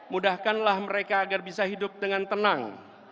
mudahkanlah mereka agar bisa hidup dengan tenang